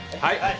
はい。